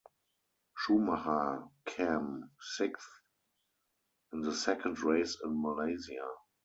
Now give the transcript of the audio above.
Schumacher cam sixth in the second race in Malaysia.